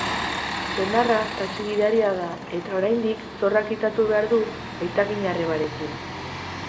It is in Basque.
Senarra taxi gidaria da eta oraindik zorra kitatu behar du aitaginarrebarekin.